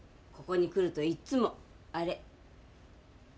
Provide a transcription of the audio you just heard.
ここに来るといっつもあれ。